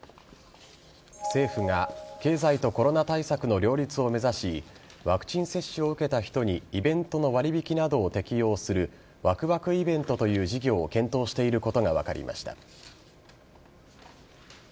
政府が経済とコロナ対策の両立を目指しワクチン接種を受けた人にイベントの割引などを適用するワクワクイベントという事業を検討していることが分かりました。